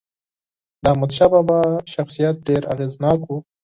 د احمدشاه بابا شخصیت ډېر اغېزناک و.